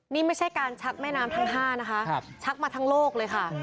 นี่ไม่ใช่การชักแม่น้ำทั้ง๕นะคะชักมาทั้งโลกเลยค่ะ